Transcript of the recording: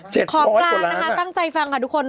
ของกลางนะคะตั้งใจฟังค่ะทุกคน